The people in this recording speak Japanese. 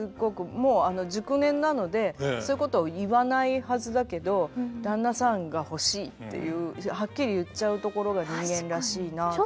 もう熟年なのでそういうこと言わないはずだけど「旦那さんが欲しい」って言うはっきり言っちゃうところが人間らしいなと。